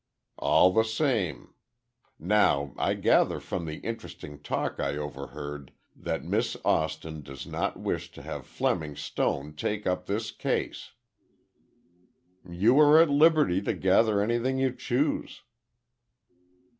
"All the same. Now, I gather from the interesting talk I overheard that Miss Austin does not wish to have Fleming Stone take up this case." "You are at liberty to gather anything you choose."